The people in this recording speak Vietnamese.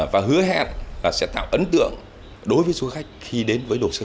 và hứa hẹn là sẽ tạo ấn tượng đối với du khách khi đến với đồ sơn